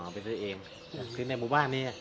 ไปซื้อเองคือในหมู่บ้านนี้